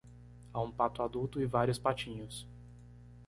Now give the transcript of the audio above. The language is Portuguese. Há um pato adulto e vários patinhos.